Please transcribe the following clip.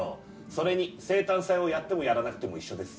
それに生誕祭をやってもやらなくても一緒です